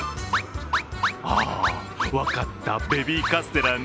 あぁ、分かったベビーカステラね。